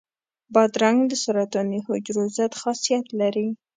بادرنګ د سرطاني حجرو ضد خاصیت لري.